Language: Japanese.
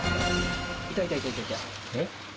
えっ？